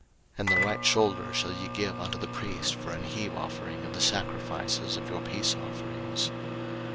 03:007:032 And the right shoulder shall ye give unto the priest for an heave offering of the sacrifices of your peace offerings.